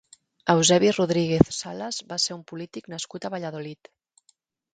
Eusebi Rodríguez Salas va ser un polític nascut a Valladolid.